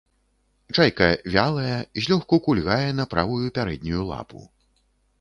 Чайка вялая, злёгку кульгае на правую пярэднюю лапу.